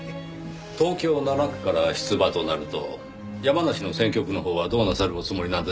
東京７区から出馬となると山梨の選挙区のほうはどうなさるおつもりなんです？